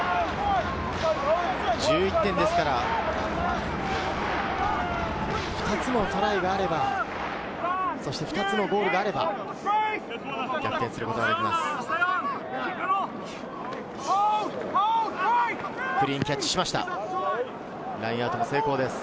１１点ですから、２つのトライがあれば、そして２つのゴールがあれば、逆転することができます。